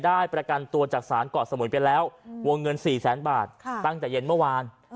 ประกันตัวจากศาลเกาะสมุยไปแล้ววงเงิน๔แสนบาทตั้งแต่เย็นเมื่อวาน